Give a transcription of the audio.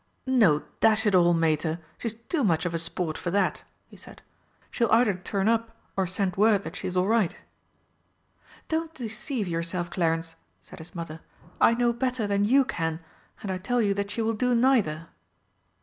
"No, dash it all, Mater, she's too much of a sport for that," he said. "She'll either turn up or send word that she's all right." "Don't deceive yourself, Clarence!" said his mother. "I know better than you can, and I tell you that she will do neither."